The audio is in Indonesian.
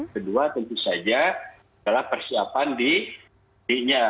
kedua tentu saja adalah persiapan di indonesia